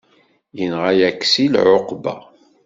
Yenɣa Aksil ɛuqba.